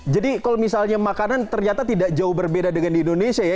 jadi kalau misalnya makanan ternyata tidak jauh berbeda dengan di indonesia ya